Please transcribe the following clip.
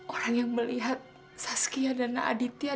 orang yang melihat saskia dana aditya